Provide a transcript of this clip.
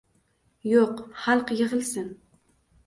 — Yo‘q, xalq yig‘ilsin!